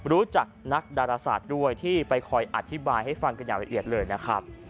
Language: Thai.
รู้จักนักดาราศาสตร์ด้วยที่ไปคอยอธิบายให้ฟังกันอย่างละเอียดเลยนะครับ